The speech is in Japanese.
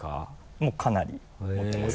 もうかなり持てます。